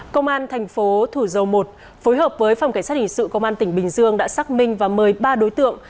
công an thành phố thủ dầu một phối hợp với phòng cảnh sát hình sự công an tỉnh bình dương đã xác minh và mời ba đối tượng